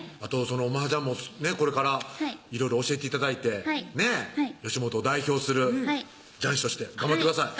その麻雀もこれからいろいろ教えて頂いて吉本を代表する雀士として頑張ってください